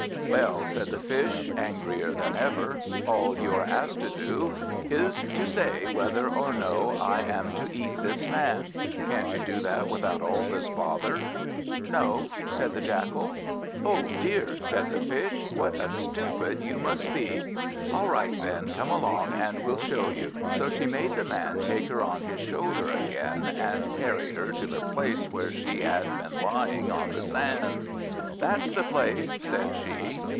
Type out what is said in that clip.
"Well," said the Fish, angrier than ever, "all you are asked to do, is to say whether or no I am to eat this Man. Can't you do that without all this bother?" "No," said the Jackal. "Oh dear," said the Fish, "what a stupid you must be! All right then, come along, and we'll show you." So she made the Man take her on his shoulder again, and carry her to the place where she had been lying on the sand. "That's the place," said she.